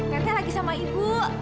tete lagi sama ibu